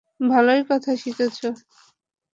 ভালোই কথা শিখেছ।